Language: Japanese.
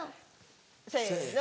せの。